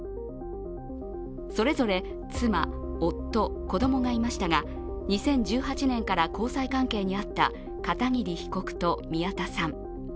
それぞれ妻、夫、子供がいましたが、２０１８年から交際関係にあった片桐被告と宮田さん。